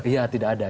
iya tidak ada